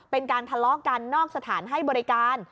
เป็นการทะเลาะกันนอกสถานให้บริการ